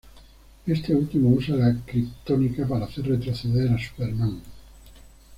Este último usa la kriptonita para hacer retroceder a Superman.